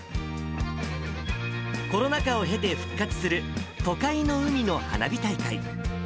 コロナ禍を経て復活する都会の海の花火大会。